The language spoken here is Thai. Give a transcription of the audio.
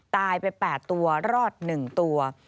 ตายไป๘ตัวรอด๑ตัว